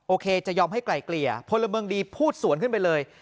จะยอมให้ไกลเกลี่ยพลเมืองดีพูดสวนขึ้นไปเลย